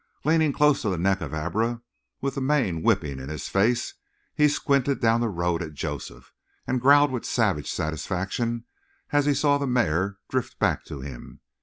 Leaning close to the neck of Abra, with the mane whipping his face, he squinted down the road at Joseph, and growled with savage satisfaction as he saw the mare drift back to him.